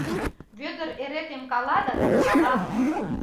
Вӧдыр эре темкала да темкала...